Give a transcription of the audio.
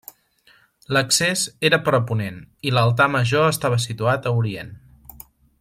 L'accés era per ponent i l'altar major estava situat a orient.